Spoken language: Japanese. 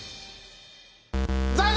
残念！